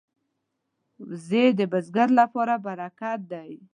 وزې د بزګر لپاره برکت ده